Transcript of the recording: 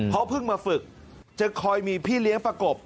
เขาเพิ่งมาฝึกจะคอยมีพี่เลี้ยงประกบ